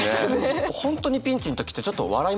本当にピンチの時ってちょっと笑いますよね。